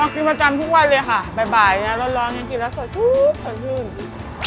กินประจำทุกวันเลยค่ะบ่ายร้อนยังกินแล้วสดชื่น